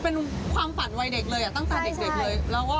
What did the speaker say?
มันเป็นความฝั่งวัยเด็กเลยตั้งสามเด็กเลย